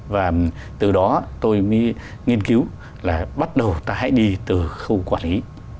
và từ đó tôi mới nghiên cứu là bắt đầu ta hãy đi từ khâu quản lý